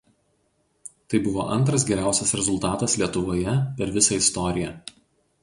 Tai buvo antras geriausias rezultatas Lietuvoje per visą istoriją.